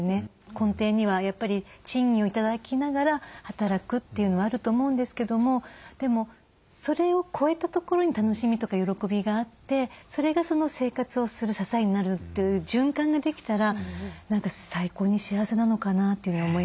根底にはやっぱり賃金を頂きながら働くというのはあると思うんですけどもでもそれを超えたところに楽しみとか喜びがあってそれが生活をする支えになるという循環ができたら何か最高に幸せなのかなというふうに思いますね。